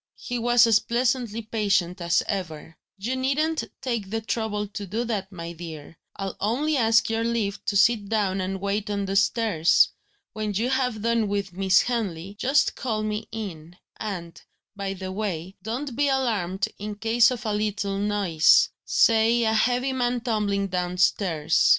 He was as pleasantly patient as ever: "You needn't take the trouble to do that, my dear; I'll only ask your leave to sit down and wait on the stairs. When you have done with Miss Henley, just call me in. And, by the way, don't be alarmed in case of a little noise say a heavy man tumbling downstairs.